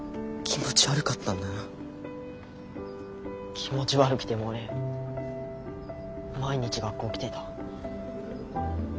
気持ち悪くても俺毎日学校来てた。